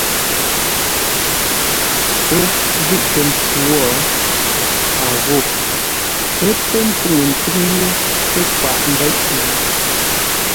Pə́ zʉ̂ʼtə mpfu wo, a ghô: ə̰ pə́ ntúŋu ntʉ́ŋ yé pə́ kwaʼ nzeʼ zʉ́.